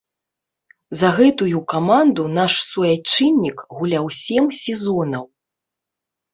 За гэтую каманду наш суайчыннік гуляў сем сезонаў.